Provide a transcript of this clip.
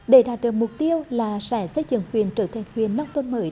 để đạt được mục tiêu là sẽ xây dựng quyền trở thành quyền nông thôn mới